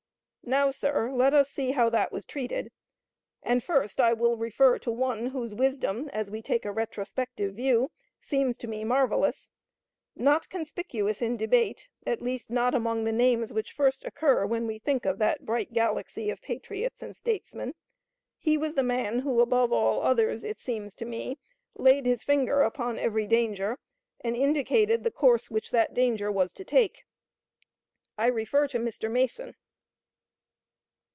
Now, sir, let us see how that was treated; and first I will refer to one whose wisdom, as we take a retrospective view, seems to me marvelous. Not conspicuous in debate, at least not among the names which first occur when we think of that bright galaxy of patriots and statesmen, he was the man who, above all others, it seems to me, laid his finger upon every danger, and indicated the course which that danger was to take. I refer to Mr. Mason.